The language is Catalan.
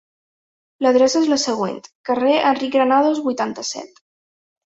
L'adreça és la següent: carrer Enric Granados vuitanta-set.